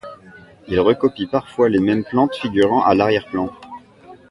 Il recopie parfois même les plantes figurant à l'arrière-plan.